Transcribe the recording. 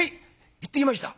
行ってきました」。